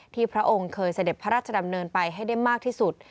พระองค์เคยเสด็จพระราชดำเนินไปให้ได้มากที่สุด